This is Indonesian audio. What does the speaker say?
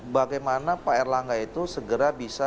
bagaimana pak erlangga itu segera bisa